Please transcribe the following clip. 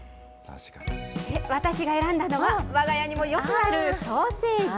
私が選んだのは、わが家にもよくあるソーセージ。